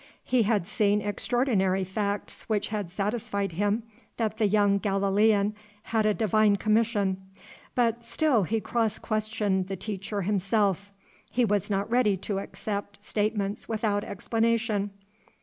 He had seen extraordinary facts which had satisfied him that the young Galilean had a divine commission. But still he cross questioned the Teacher himself. He was not ready to accept statements without explanation.